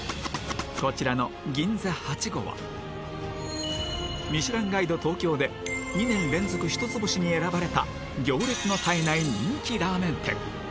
こちらの銀座八五は『ミシュランガイド東京』で２年連続一つ星に選ばれた行列の絶えない人気ラーメン店